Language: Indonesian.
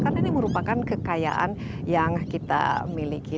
karena ini merupakan kekayaan yang kita miliki